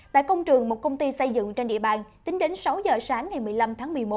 tại công trường một công ty xây dựng trên địa bàn tính đến sáu giờ sáng ngày một mươi năm tháng một mươi một